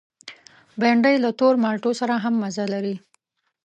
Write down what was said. بېنډۍ له تور مالټو سره هم مزه لري